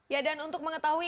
ya dan untuk mengetahui